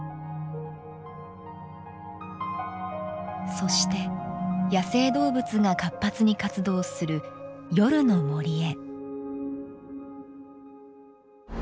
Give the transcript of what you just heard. そして、野生動物が活発に活動する夜の森へ。